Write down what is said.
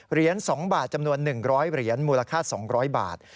เหรียญ๒บาทจำนวน๑๐๐เหรียญมูลค่า๒๐๐บาท